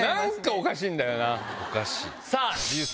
おかしい。